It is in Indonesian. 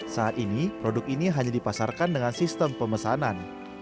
saat ini produk ini hanya dipasarkan dengan sistem pemesanan